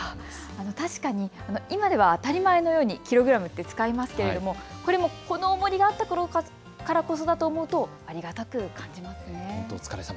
確かに今では当たり前のようにキログラム、使いますがこれもこのおもりがあったからこそだと思うとありがたく感じますね。